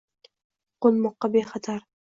Qoʻnmoqqa bexatar